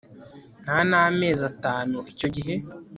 nta n'amezi atanu icyo gihe